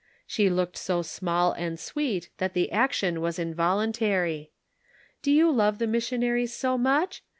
She looked so small and sweet that the action was involuntary. " Do you love the missionaries so much?